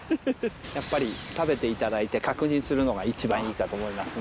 やっぱり食べていただいて確認するのが一番いいかと思いますね。